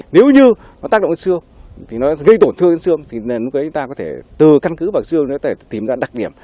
nếu như nó tác động trên xương thì nó gây tổn thương trên xương thì chúng ta có thể từ căn cứ vào xương nó có thể tìm ra đặc điểm